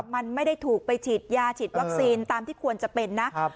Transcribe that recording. มันไม่ได้ถูกไปฉีดยาฉีดวัคซีนตามที่ควรจะเป็นนะ